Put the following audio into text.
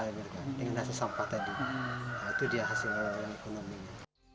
yang nanya sampah tadi itu dia hasilnya orang orang ekonominya